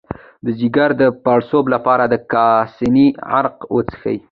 د ځیګر د پړسوب لپاره د کاسني عرق وڅښئ